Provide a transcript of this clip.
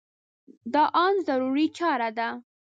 دا ان ضروري چاره ده.